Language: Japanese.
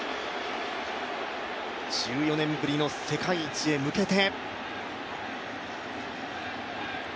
１４年ぶりの世界一へ向けて。